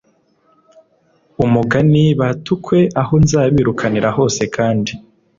umugani batukwe aho nzabirukanira hose kandi